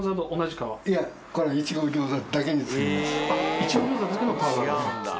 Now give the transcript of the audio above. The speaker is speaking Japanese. いちご餃子だけの皮があるんですね。